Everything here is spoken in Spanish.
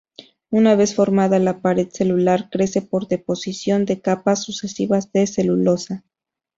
Una vez formada, la pared celular crece por deposición de capas sucesivas de celulosa.